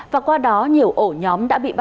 và qua đó nhiều ổ nhóm đã bị phá hủy